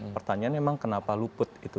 pertanyaannya memang kenapa luput itu